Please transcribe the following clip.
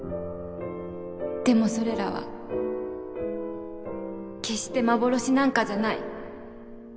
でもそれらは決して幻なんかじゃない。